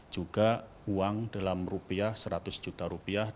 juga uang dalam rupiah seratus juta rupiah